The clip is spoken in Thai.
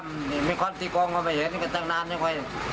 มีคนตีของเขามาเห็นก็ตั้งนานอย่างไร